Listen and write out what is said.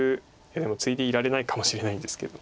いやでもツイでいられないかもしれないんですけど。